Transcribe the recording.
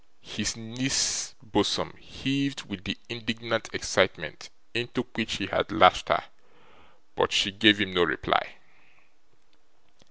His niece's bosom heaved with the indignant excitement into which he had lashed her, but she gave him no reply.